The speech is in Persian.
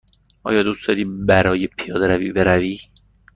آیا دوست داری برای پیاده روی بروی؟